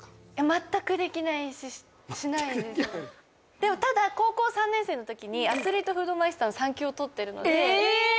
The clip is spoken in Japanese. でもただ高校３年生の時にアスリートフードマイスターの３級を取ってるので何で？